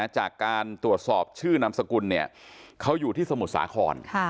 จากการตรวจสอบชื่อนามสกุลเขาอยู่ที่สมุทรสาคร